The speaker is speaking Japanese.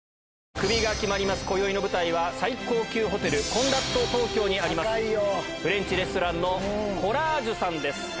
クビが決まります、今宵の舞台は、最高級ホテル、コンラッド東京にあります、フレンチレストランのＣＯＬＬＡＧＥさんです。